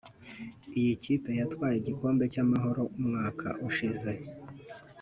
Iyi kipe yatwaye igikombe cy’Amahoro umwaka ushize